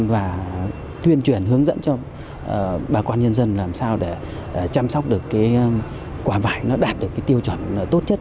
và tuyên truyền hướng dẫn cho bà quan nhân dân làm sao để chăm sóc quả vải đạt được tiêu chuẩn tốt nhất